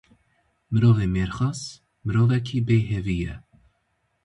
Mirovê mêrxas mirovekî bêhêvî ye.